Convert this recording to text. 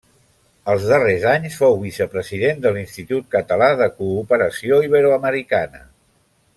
Els darrers anys fou vicepresident de l’Institut Català de Cooperació Iberoamericana.